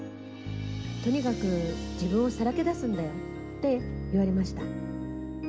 とにかく自分をさらけ出すんだよって言われました。